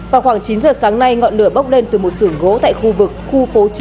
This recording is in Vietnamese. vào khoảng chín giờ sáng nay ngọn lửa bốc lên từ một sưởng gỗ tại khu vực khu phố chín